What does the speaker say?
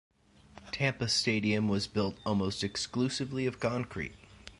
Tampa Stadium was built almost exclusively of concrete.